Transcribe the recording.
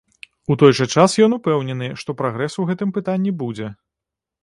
У той жа час ён упэўнены, што прагрэс у гэтым пытанні будзе.